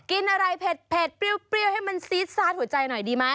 กินอะไรเผ็ดเปรี้ยวให้มันซีดซาดหัวใจหน่อยดีไหม